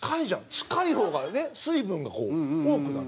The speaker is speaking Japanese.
近い方がね、水分が多くなる。